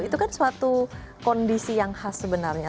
itu kan suatu kondisi yang khas sebenarnya